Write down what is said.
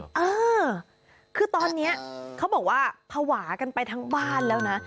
เออคือตอนนี้เขาบอกว่าภาวะกันไปทั้งบ้านแล้วนะ